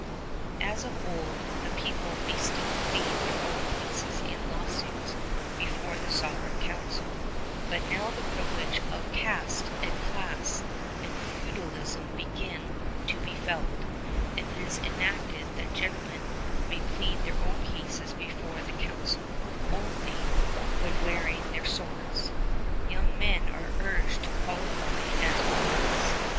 As of old, the people may still plead their own cases in lawsuits before the Sovereign Council, but now the privileges of caste and class and feudalism begin to be felt, and it is enacted that gentlemen may plead their own cases before the council only "when wearing their swords." Young men are urged to qualify as notaries.